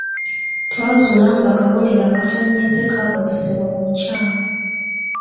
Twazuula ng'akabonero akatonnyeze kaakozesebwa mu bukyamu.